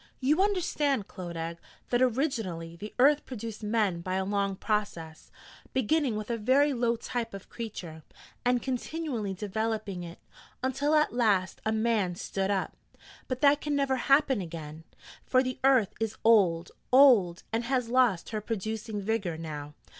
You understand, Clodagh, that originally the earth produced men by a long process, beginning with a very low type of creature, and continually developing it, until at last a man stood up. But that can never happen again: for the earth is old, old, and has lost her producing vigour now.